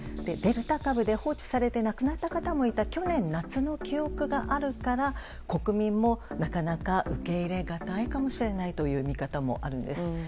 デルタ株で放置されて亡くなった方もいた去年夏の記憶があるから国民もなかなか受け入れがたいかもしれないという見方もあるんです。